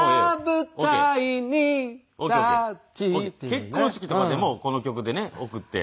結婚式とかでもこの曲でね送って。